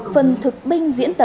phần thực binh diễn tập